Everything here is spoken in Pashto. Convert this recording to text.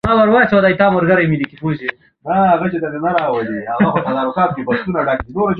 يو پوليټيکل چې يې بولي سته.